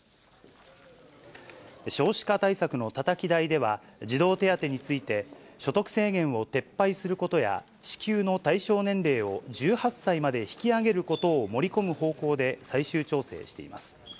少子化対策のたたき台では、児童手当について、所得制限を撤廃することや、支給の対象年齢を１８歳まで引き上げることを盛り込む方向で最終調整しています。